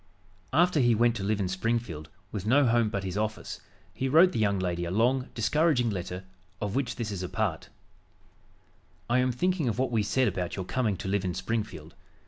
After he went to live in Springfield, with no home but his office, he wrote the young lady a long, discouraging letter, of which this is a part: "I am thinking of what we said about your coming to live in Springfield.